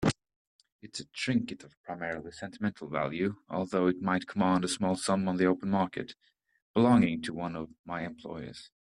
It's a trinket of primarily sentimental value, although it might command a small sum on the open market, belonging to one of my employers.